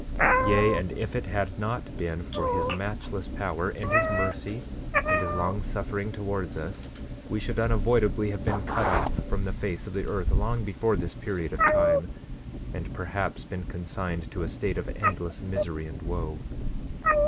9:11 Yea, and if it had not been for his matchless power, and his mercy, and his long suffering towards us, we should unavoidably have been cut off from the face of the earth long before this period of time, and perhaps been consigned to a state of endless misery and woe.